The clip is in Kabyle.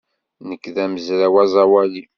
Nekk d amezraw aẓawali.